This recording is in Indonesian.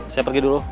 saya pergi dulu